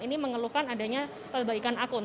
ini mengeluhkan adanya perbaikan akun